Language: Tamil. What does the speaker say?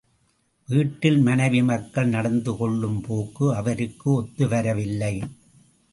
வீட்டில் மனைவி மக்கள் நடந்து கொள்ளும் போக்கு அவருக்கு ஒத்துவரவில்லை.